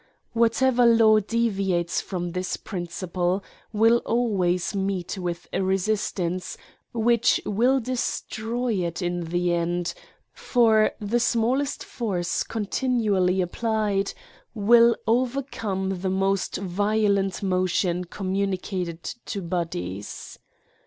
Whatever law deviates from this principle will always meet with a resiiitance which will destroy it in the end ; for the smallest force continually applied will over iUB AN ESSAY OX come the most violent motion communicated to bodies.